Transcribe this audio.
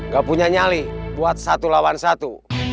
gak punya nyali buat satu lawan satu